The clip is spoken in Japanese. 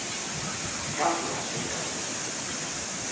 キャンプが趣味だという。